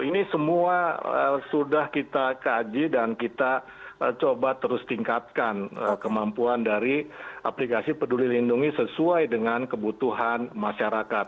ini semua sudah kita kaji dan kita coba terus tingkatkan kemampuan dari aplikasi peduli lindungi sesuai dengan kebutuhan masyarakat